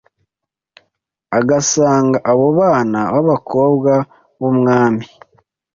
agasanga abo bana b’abakobwa b’umwami.